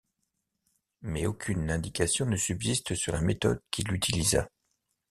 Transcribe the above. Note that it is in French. Mais aucune indication ne subsiste sur la méthode qu’il utilisa.